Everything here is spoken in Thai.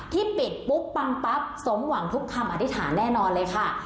ที่ปิดปุ๊บปังปั๊บสมหวังทุกคำอธิษฐานแน่นอนเลยค่ะ